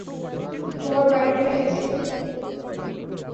বর বাড়ীতে এসেছে।